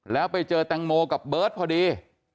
แล้วไปเจอแตงโมกับเบิร์ตพอดี